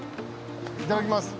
いただきます。